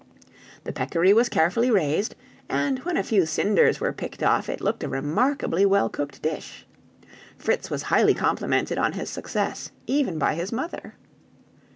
The peccary was carefully raised, and when a few cinders were picked off, it looked a remarkably well cooked dish. Fritz was highly complimented on his success, even by his mother.